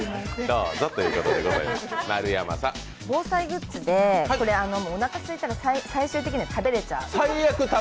防災グッズでおなかすいたら最終的には食べれちゃう。